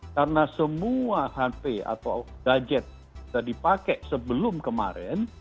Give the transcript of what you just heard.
karena semua hp atau gadget yang dipakai sebelum kemarin